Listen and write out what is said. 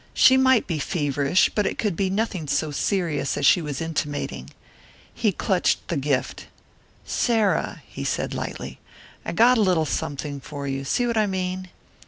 She might be feverish, but it could be nothing so serious as she was intimating. He clutched the gift. "Sarah," he said lightly, "I got a little something for you see what I mean?"